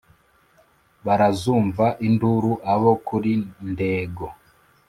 Barazumva induru abo kuri Ndego